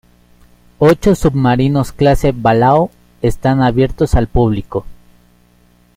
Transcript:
Ocho submarinos clase "Balao" están abiertos al público.